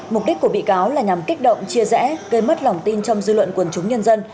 mục đích của bị cáo là nhằm kích động chia rẽ gây mất lòng tin trong dư luận quần chúng nhân dân